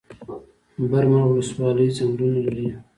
برمل ولسوالۍ ځنګلونه لري؟